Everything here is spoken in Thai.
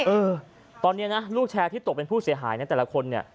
เออตอนนี้นะลูกแชร์ที่ตกเป็นผู้เสียหายนะแต่ละคนเนี่ย